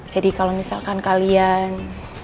jadi kalau misalkan kalian